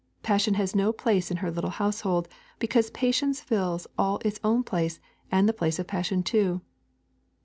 Passion has no place in her little household, because patience fills all its own place and the place of passion too.